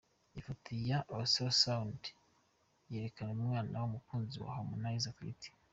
Ifoto ya Ultrasound yerekana umwana umukunzi wa Harmonize atwite.